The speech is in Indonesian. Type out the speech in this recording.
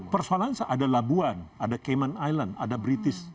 persoalan saya ada labuan ada cayman island ada british